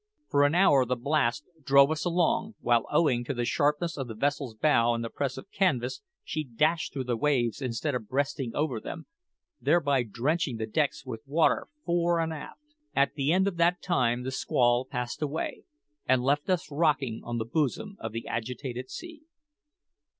For an hour the blast drove us along, while, owing to the sharpness of the vessel's bow and the press of canvas, she dashed through the waves instead of breasting over them, thereby drenching the decks with water fore and aft. At the end of that time the squall passed away, and left us rocking on the bosom of the agitated sea.